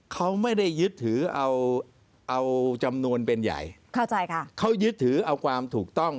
เขาไม่ได้ยึดถือเอาเอาจำนวนเป็นใหญ่เข้าใจค่ะเขายึดถือเอาความถูกต้อง